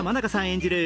演じる